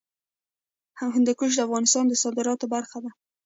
هندوکش د افغانستان د صادراتو برخه ده.